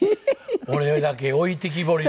俺だけ置いてきぼりになる。